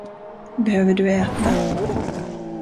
Behöver du äta?